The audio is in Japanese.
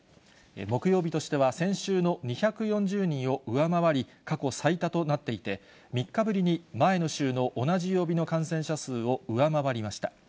木曜日としては、先週の２４０人を上回り、過去最多となっていて、３日ぶりに前の週の同じ曜日の感染者数を上回りました。